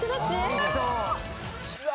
うわ！